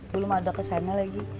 belum ada kesana lagi